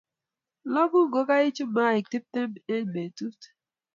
Loku ngokaichu maaik tiptem eng petut